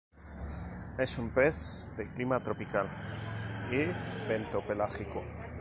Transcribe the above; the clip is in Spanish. Es un pez de Clima tropical y bentopelágico.